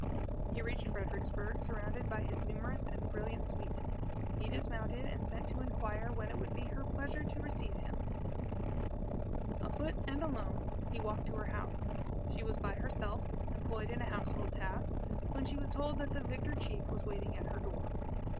He reached Fredericksburg surrounded by his numerous and brilliant suite. He dismounted, and sent to inquire when it would be her pleasure to receive him. Afoot and alone, he walked to her house. She was by herself, employed in a household task, when she was told that the victor chief was waiting at her door.